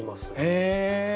へえ。